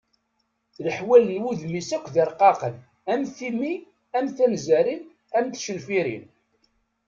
Leḥwal n wudem-is akk d irqaqen am timmi, am tanzarin, am tcenfirin.